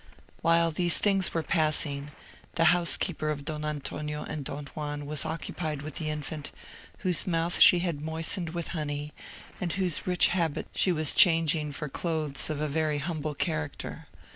While these things were passing, the housekeeper of Don Antonio and Don Juan was occupied with the infant, whose mouth she had moistened with honey, and whose rich habits she was changing for clothes of a very humble character.